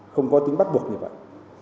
không có tính bắt buộc như vậy